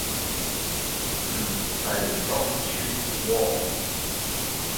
唔洗咁串喎